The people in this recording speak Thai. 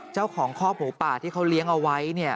เจ้าของคอกหมูป่าที่เขาเลี้ยงเอาไว้เนี่ย